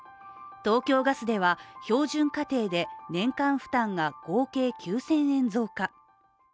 東京ガスでは標準家庭で年間負担が合計９０００円増加。